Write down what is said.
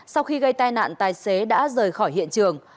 sau khi gây tai nạn tài xế đã rời khỏi hiện trường